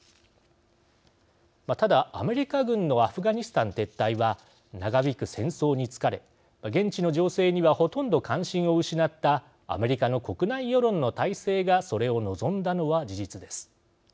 ただ、アメリカ軍のアフガニスタン撤退は長引く戦争に疲れ現地の情勢にはほとんど関心を失ったアメリカの国内世論の大勢がそれを望んだのは事実です。